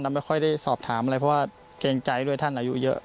ไม่ค่อยได้สอบถามอะไรเพราะว่าเกรงใจด้วยท่านอายุเยอะ